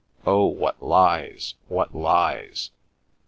Oh, what lies—what lies!"